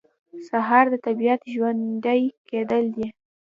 سهار د طبیعت ژوندي کېدل دي.